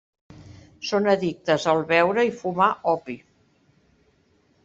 Són addictes al beure i fumar opi.